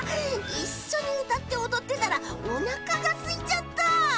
いっしょにうたっておどってたらおなかがすいちゃった！